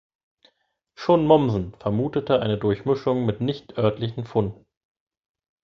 Schon Mommsen vermutete eine Durchmischung mit nicht-örtlichen Funden.